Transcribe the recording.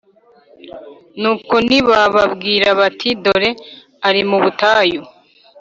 Nuko nibababwira bati Dore ari mu butayu